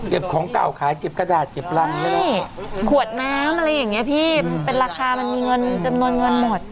เก็บของเก่าขายเก็บกระดาษเก็บร่างขวดน้ำอะไรอย่างนี้พี่เป็นราคามันมีเงินจำนวนเงินหมด